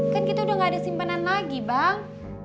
kan kita udah nggak ada simpenan lagi bang